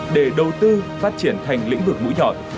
để đầu tư phát triển thành lĩnh vực mũi nhọn